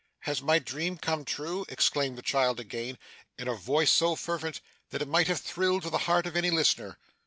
'Has my dream come true?' exclaimed the child again, in a voice so fervent that it might have thrilled to the heart of any listener.